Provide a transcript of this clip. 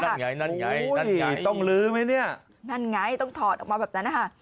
นั่นไงนั่นไงนั่นไงต้องลื้อไหมเนี่ยนั่นไงต้องถอดออกมาแบบนั้นนะคะ